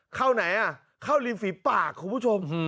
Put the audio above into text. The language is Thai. เข้าไหนอ่ะเข้าริมฝีปากคุณผู้ชม